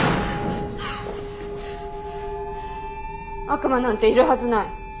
悪魔なんているはずない。